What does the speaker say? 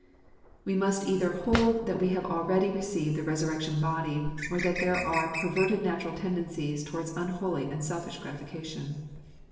We must either hold that we have already received the resurrection body, or that there are per verted natural tendencies towards unholy and selfish gratification.